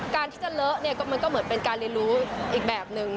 การที่จะเลอะเนี่ยก็มันก็เหมือนเป็นการเรียนรู้อีกแบบนึง